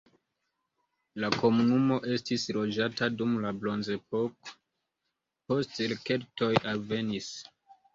La komunumo estis loĝata dum la bronzepoko, poste keltoj alvenis.